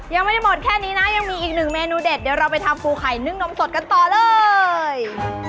ยังไม่ได้หมดแค่นี้นะยังมีอีกหนึ่งเมนูเด็ดเดี๋ยวเราไปทำปูไข่นึ่งนมสดกันต่อเลย